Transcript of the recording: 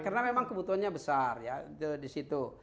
karena memang kebutuhannya besar ya di situ